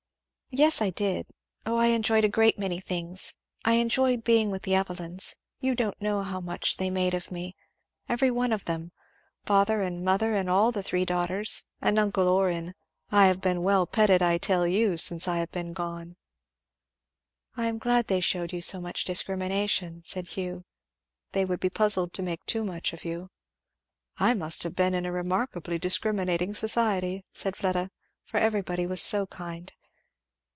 "Yes I did. O I enjoyed a great many things. I enjoyed being with the Evelyns. You don't know how much they made of me, every one of them, father and mother and all the three daughters and uncle Orrin. I have been well petted, I can tell you, since I have been gone." "I am glad they shewed so much discrimination," said Hugh; "they would be puzzled to make too much of you." "I must have been in a remarkably discriminating society," said Fleda, "for everybody was very kind!"